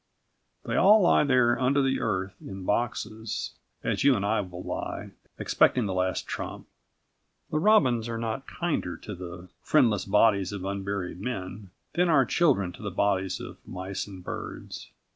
They all lie there under the earth in boxes, as you and I will lie, expecting the Last Trump. The robins are not kinder to the "friendless bodies of unburied men" than are children to the bodies of mice and birds.